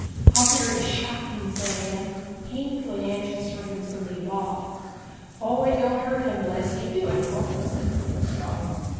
'How very shocking!' said Anne, painfully anxious for him to leave off. 'O, it don't hurt him, bless ye. Do it, corpel?' said Cripplestraw.